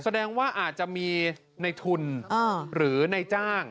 แสดงว่าอาจจะมีในทุนหรือในจ้าง